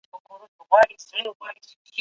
ایا پوهنتونونه د څېړني لپاره امکانات برابروي؟